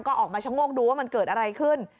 ก็ออกมาชะโงกดูว่ามันเกิดอะไรขึ้น